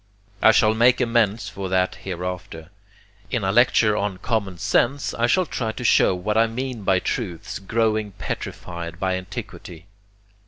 I shall make amends for that hereafter. In a lecture on 'common sense' I shall try to show what I mean by truths grown petrified by antiquity.